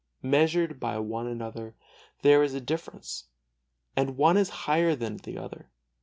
Measured by one another there is a difference, and one is higher than the other.